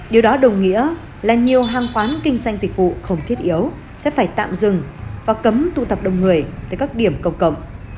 điều đó đồng nghĩa là nhiều hàng quán kinh doanh dịch vụ không thiết yếu sẽ phải tạm dừng và cấm tụ tập đông người tại các điểm công cộng